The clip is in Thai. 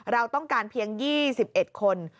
เราต้องการเพียง๒๑คน